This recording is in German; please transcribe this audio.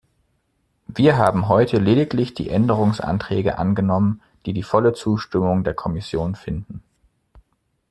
Wir haben heute lediglich die Änderungsanträge angenommen, die die volle Zustimmung der Kommission finden.